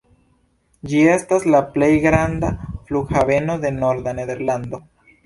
Ĝi estas la plej granda flughaveno de norda Nederlando.